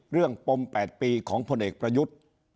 เรื่องปม๘ปีของพลเอกประยุทธ์